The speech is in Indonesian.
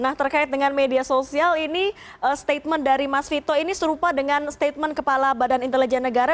nah terkait dengan media sosial ini statement dari mas vito ini serupa dengan statement kepala badan intelijen negara